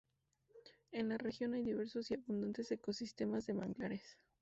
En la región hay diversos y abundantes ecosistemas de manglares.